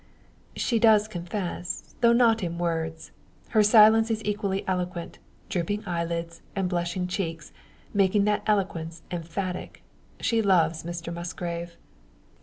She does confess; though not in words. Her silence is equally eloquent; drooping eyelids, and blushing cheeks, making that eloquence emphatic. She loves Mr Musgrave.